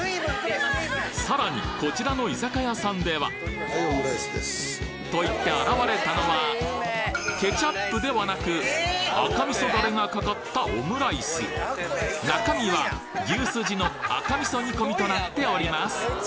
さらにこちらの居酒屋さんではと言って現れたのはケチャップではなく赤味噌ダレがかかったオムライス中身は牛すじの赤味噌煮込みとなっております